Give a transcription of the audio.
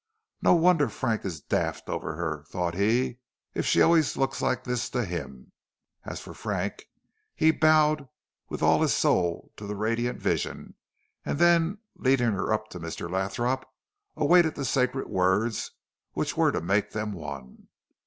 "No wonder Frank is daft over her," thought he, "if she always looks like this to him." As for Frank, he bowed with all his soul to the radiant vision, and then, leading her up to Mr. Lothrop, awaited the sacred words which were to make them one.